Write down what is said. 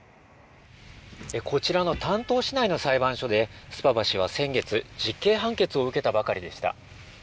こちらの丹東市内の裁判所で、スパバ氏は先月、実刑判決を受けたばかりでした。